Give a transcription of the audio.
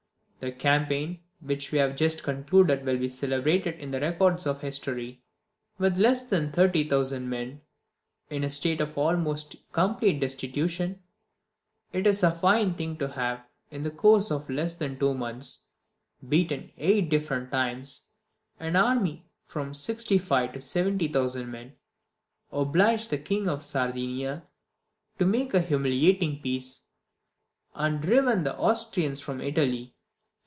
The campaign which we have just concluded will be celebrated in the records of history. With less than 30,000 men, in a state of almost complete destitution, it is a fine thing to have, in the course of less than two months, beaten, eight different times, an army of from 65 to 70,000 men, obliged the King of Sardinia to make a humiliating peace, and driven the Austrians from Italy.